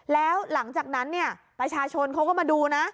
แล้วหลังจากนั้นเนี่ยประชาชนเขาก็มาดูนะ